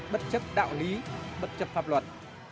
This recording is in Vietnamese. bất chấp đạo lý bất chấp pháp luật